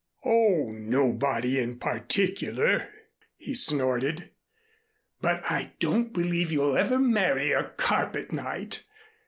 "Oh, nobody in particular," he snorted. "But I don't believe you'll ever marry a carpet knight.